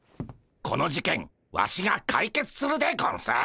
この事件ワシが解決するでゴンス。